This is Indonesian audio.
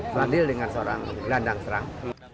selandil dengan seorang landang serang